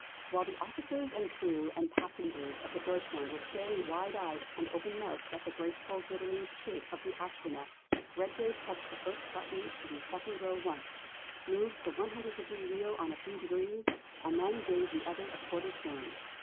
While the officers and crew and passengers of the Deutschland were staring wide eyed and open mouthed at the graceful glittering shape of the Astronef, Redgrave touched the first button in the second row once, moved the 100 degree wheel on a few degrees, and then gave the other a quarter turn.